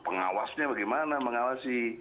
pengawasnya bagaimana mengawasi